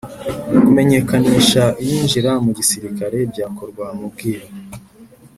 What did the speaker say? kumenyekanisha iyinjira mu gisilikare byakorwaga mu bwiru